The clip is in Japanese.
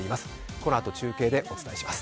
このあと中継でお伝えします。